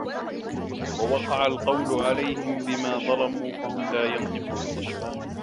وَوَقَعَ القَولُ عَلَيهِم بِما ظَلَموا فَهُم لا يَنطِقونَ